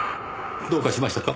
どうかしましたか？